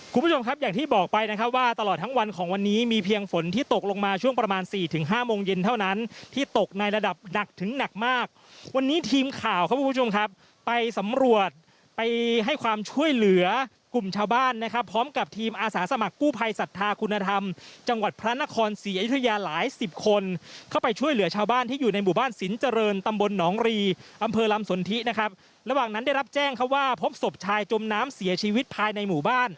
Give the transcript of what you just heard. ก็จะส่งผลกับด้านล่างเพราะฉะนั้นตอนนี้ก็จะส่งผลกับด้านล่างเพราะฉะนั้นตอนนี้ก็จะส่งผลกับด้านล่างเพราะฉะนั้นตอนนี้ก็จะส่งผลกับด้านล่างเพราะฉะนั้นตอนนี้ก็จะส่งผลกับด้านล่างเพราะฉะนั้นตอนนี้ก็จะส่งผลกับด้านล่างเพราะฉะนั้นตอนนี้ก็จะส่งผลกับด้านล่างเพราะฉะนั้นตอนนี้ก็จะส่งผลกับ